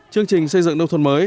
chương trình xây dựng nông thôn mới